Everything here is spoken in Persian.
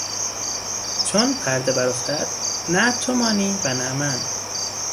چون پرده برافتد نه تو مانی و نه من